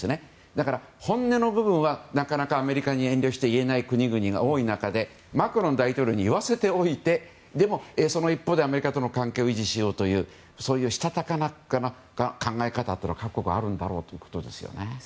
だから、本音の部分はなかなかアメリカに遠慮して言えない国々が多い中でマクロン大統領に言わせておいてでも、その一方でアメリカとの関係も維持しようというしたたかな考え方が各国あるんだろうということですよね。